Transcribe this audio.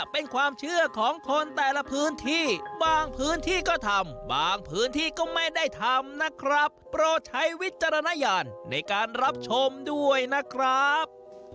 บางพิธีบางพื้นที่ก็ทำบางพื้นที่ก็ไม่ได้ทำนะครับโปรใชวิจารณญาณในการรับชมด้วยนะครับ